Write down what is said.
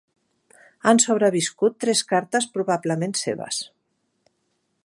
Han sobreviscut tres cartes probablement seves.